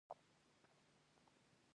ترموز د چایو زړه خوږوي.